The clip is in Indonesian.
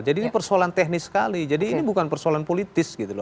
jadi ini persoalan teknis sekali jadi ini bukan persoalan politis gitu loh